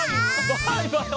バイバイ！